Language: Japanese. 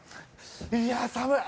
いやー、寒い。